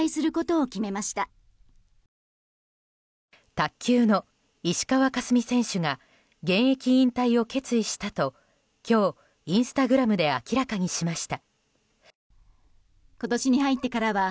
卓球の石川佳純選手が現役引退を決意したと今日、インスタグラムで明らかにしました。